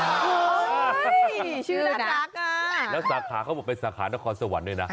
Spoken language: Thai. โอ้โหชื่อน่ารักอ่ะแล้วสาขาเขาบอกเป็นสาขานครสวรรค์ด้วยนะ